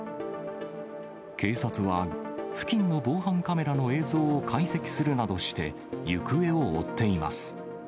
警察は、付近の防犯カメラの映像を解析するなどして、行方を追っています。